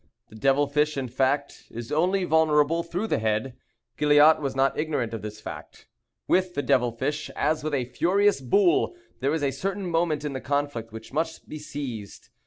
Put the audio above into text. The devil fish, in fact, is only vulnerable through the head. Gilliatt was not ignorant of this fact. With the devil fish, as with a furious bull, there is a certain moment in the conflict which must be seized.